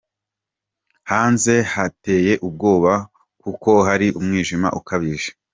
Hanze hateye ubwoba kuko hari umwijima ukabije.